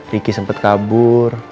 ricky sempet kabur